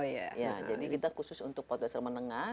jadi kita khusus untuk paut dasar menengah